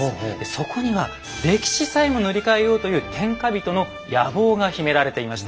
そこには歴史さえも塗り替えようという天下人の野望が秘められていました。